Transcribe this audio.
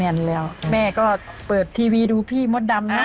แล้วแม่ก็เปิดทีวีดูพี่มดดำนะ